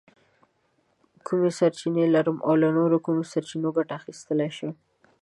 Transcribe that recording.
کومې سرچینې لرم او له نورو کومو سرچینو ګټه اخیستلی شم؟